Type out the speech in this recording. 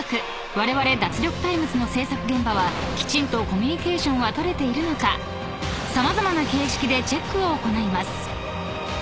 われわれ『脱力タイムズ』の制作現場はきちんとコミュニケーションは取れているのか様々な形式でチェックを行います］